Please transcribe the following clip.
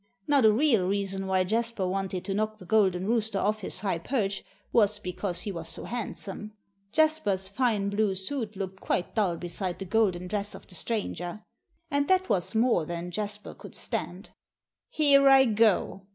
Now, the real reason why Jasper wanted to knock the golden rooster off his high perch was because he was so handsome. Jasper's fine blue suit looked quite dull beside the golden dress of the stranger. And that was more than Jasper could stand. "Here I go!"